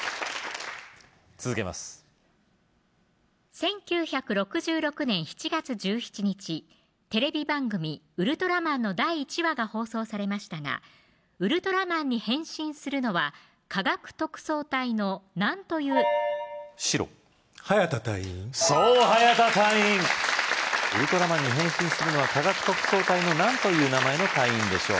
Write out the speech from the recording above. １９６６年７月１７日テレビ番組ウルトラマンの第１話が放送ウルトラマンに変身するのは科学特捜隊の何という白ハヤタ隊員そうハヤタ隊員ウルトラマンに変身するのは科学特捜隊の何という名前の隊員でしょう